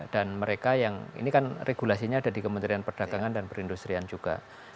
dan mereka yang ini kan regulasinya ada di kementerian perdagangan dan perindustrian juga